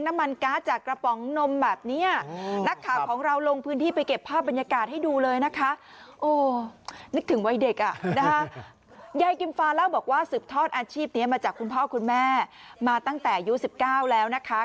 อาชีพนี้มาจากคุณพ่อคุณแม่มาตั้งแต่ยู๑๙แล้วนะคะ